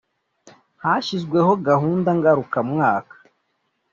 hashyizweho gahunda ngarukamwaka